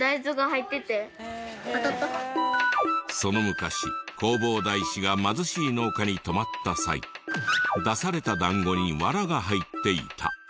その昔弘法大師が貧しい農家に泊まった際出された団子に藁が入っていた。